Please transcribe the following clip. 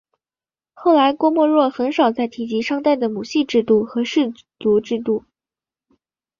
后来郭沫若很少再提及商代的母系制度和氏族社会。